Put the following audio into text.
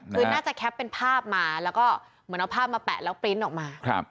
คือน่าจะแคปเป็นภาพมาแล้วก็เหมือนเอาภาพมาแปะแล้วปริ้นต์ออกมา